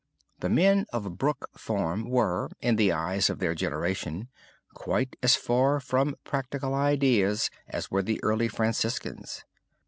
The men of Brook Farm were, in the eyes of their generation, quite as far from practical ideas as were the early Franciscans.